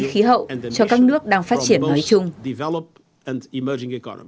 khí hậu cho các nước đang phát triển nói chung